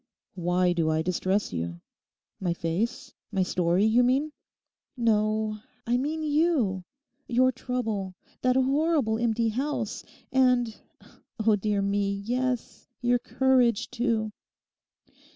'Why do I distress you?—my face, my story you mean?' 'No; I mean you: your trouble, that horrible empty house, and—oh, dear me, yes, your courage too.